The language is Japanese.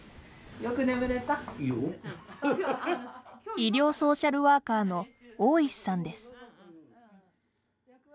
医療ソーシャルワーカーの大石さんです。